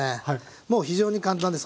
もう非常に簡単です。